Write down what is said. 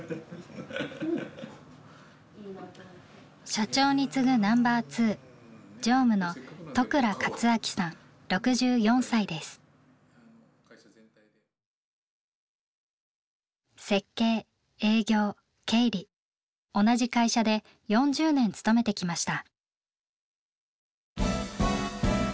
社長に次ぐナンバーツー設計営業経理同じ会社で４０年勤めてきました。